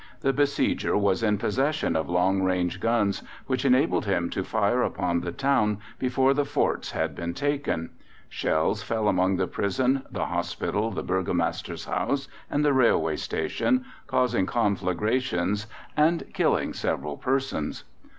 The besieger was in possession of long range guns, which enabled him to fire upon the town before the forts had been taken. Shells fell upon the prison, the hospital, the Burgomaster's house and the railway station, causing conflagrations and killing several persons.